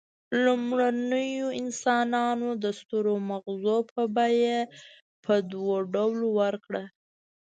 لومړنیو انسانانو د سترو مغزو بیه په دوو ډولونو ورکړه.